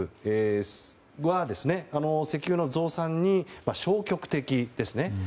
ＯＰＥＣは石油の増産に消極的ですね。